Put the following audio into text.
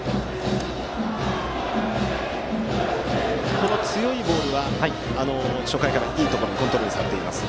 この強いボールは初回からいいところにコントロールされています。